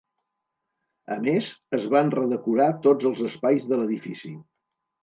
A més, es van redecorar tots els espais de l'edifici.